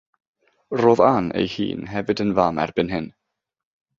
Roedd Ann ei hun hefyd yn fam erbyn hyn.